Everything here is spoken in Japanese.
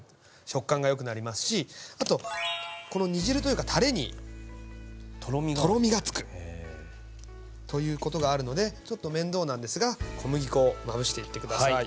食感がよくなりますしあとこの煮汁というかたれにとろみがつくということがあるのでちょっと面倒なんですが小麦粉をまぶしていって下さい。